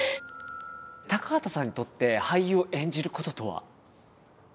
高畑さんにとって俳優を演じることとは？